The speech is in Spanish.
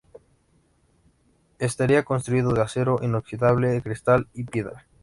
Estaría construido de acero inoxidable, cristal y piedra.